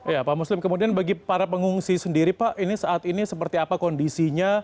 ya pak muslim kemudian bagi para pengungsi sendiri pak ini saat ini seperti apa kondisinya